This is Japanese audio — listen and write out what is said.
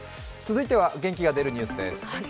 続いては、元気が出るニュースです